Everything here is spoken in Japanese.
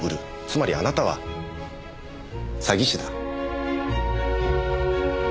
つまりあなたは詐欺師だ。